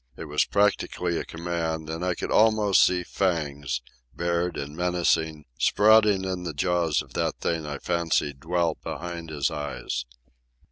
It was practically a command, and I could almost see fangs, bared and menacing, sprouting in the jaws of that thing I fancied dwelt behind his eyes.